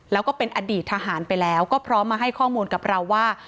แล้วก็เป็นอดีตทหารไปแล้วก็พร้อมมาให้ข้อมูลกับเราว่า